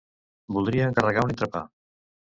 Voldria encarregar un entrepà.